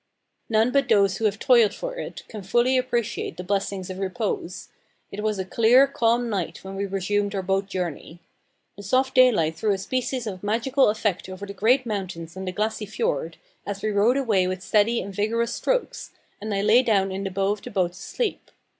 None but those who have toiled for it can fully appreciate the blessing of repose. It was a clear, calm night when we resumed our boat journey. The soft daylight threw a species of magical effect over the great mountains and the glassy fjord, as we rowed away with steady and vigorous strokes, and I lay down in the bow of the boat to sleep.